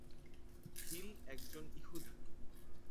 hill একজন ইহুদি